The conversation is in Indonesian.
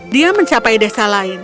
dia mencapai desa lain